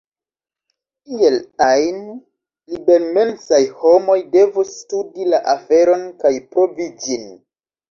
Iel ajn, libermensaj homoj devus studi la aferon kaj provi ĝin.